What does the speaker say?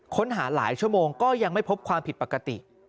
ค้นหาหลายชั่วโมงก็ยังไม่พบความผิดปกติ